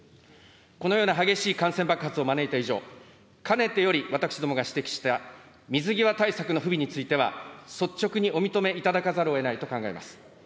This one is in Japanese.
このような激しい感染爆発を招いた以上、かねてより私どもが指摘した、水際対策の不備については、率直にお認めいただかざるをえないと思います。